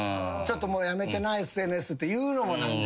もうやめてなＳＮＳって言うのも何か。